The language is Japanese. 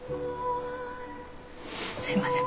すいません